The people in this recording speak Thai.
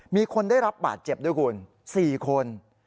มีคนได้รับบาดเจ็บด้วยคุณ๔คน